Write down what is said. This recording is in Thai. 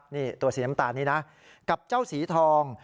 นี่ตัวสีน้ำตาลนี้นะกับเจ้าสีทอง